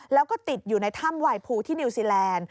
แล้วก็ติดอยู่ในถ้ำไวภูที่นิวซีแลนด์